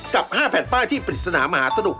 กับ๕แผ่นป้ายที่ปริศนามหาสนุก